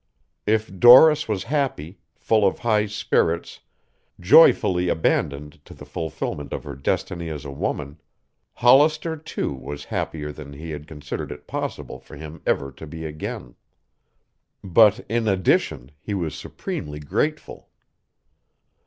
If Doris was happy, full of high spirits, joyfully abandoned to the fulfilment of her destiny as a woman, Hollister too was happier than he had considered it possible for him ever to be again. But, in addition, he was supremely grateful.